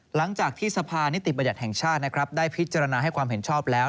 หลังจากที่สภานิติบัญญัติแห่งชาตินะครับได้พิจารณาให้ความเห็นชอบแล้ว